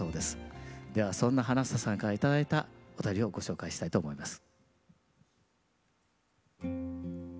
ではそんな花房さんから頂いたお便りをご紹介したいと思います。